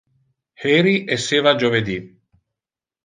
Heri esseva jovedi.